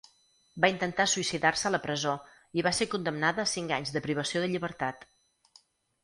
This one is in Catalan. Va intentar suïcidar-se a la presó i va ser condemnada a cinc anys de privació de llibertat.